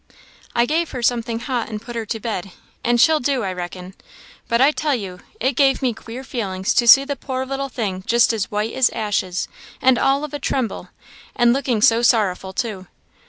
I gave her something hot and put her to bed, and she'll do, I reckon; but I tell you it gave me queer feelings to see the poor little thing just as white as ashes, and all of a tremble, and looking so sorrowful too.